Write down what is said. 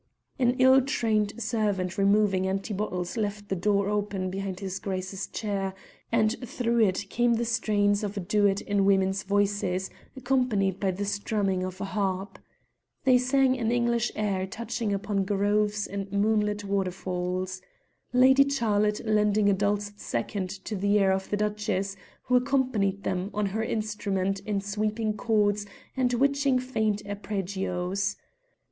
An ill trained servant removing empty bottles left the door open behind his Grace's chair, and through it came the strains of a duet in women's voices, accompanied by the strumming of a harp. They sang an English air touching upon groves and moonlit waterfalls, Lady Charlotte lending a dulcet second to the air of the Duchess, who accompanied them upon her instrument in sweeping chords and witching faint arpeggios.